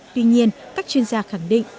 tuy nhiên các chuyên gia khẳng định